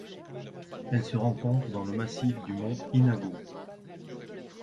Elle se rencontre dans le massif du mont Inago.